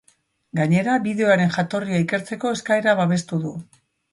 Gainera, bideoaren jatorria ikertzeko eskaera babestu du.